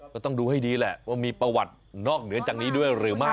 ก็ต้องดูให้ดีแหละว่ามีประวัตินอกเหนือจากนี้ด้วยหรือไม่